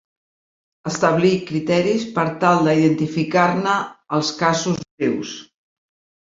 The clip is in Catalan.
Establir criteris per tal d'identificar-ne els casos greus.